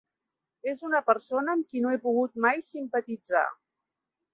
És una persona amb qui no he pogut mai simpatitzar.